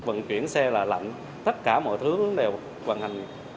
vận chuyển xe là lạnh tất cả mọi thứ đều hoàn hành